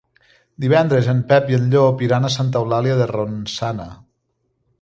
Divendres en Pep i en Llop iran a Santa Eulàlia de Ronçana.